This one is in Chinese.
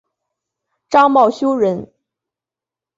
张懋修人。